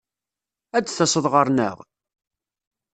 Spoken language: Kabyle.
Ad d-taseḍ ɣer-neɣ?